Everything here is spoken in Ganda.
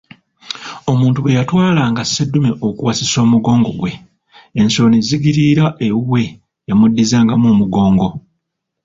"Omuntu bwe yatwalanga seddume okuwasisa omugongo gwe, ensolo ne zigiriira ewuwe, yamuddizangamu mugongo."